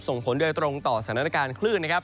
ส่งผลโดยตรงต่อสถานการณ์คลื่นนะครับ